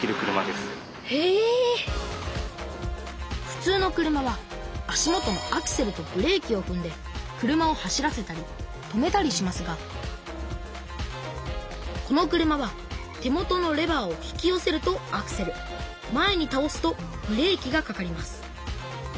ふつうの車は足元のアクセルとブレーキをふんで車を走らせたり止めたりしますがこの車は手元のレバーを引きよせるとアクセル前にたおすとブレーキがかかります。